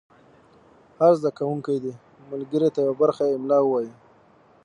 هر زده کوونکی دې ملګري ته یوه برخه املا ووایي.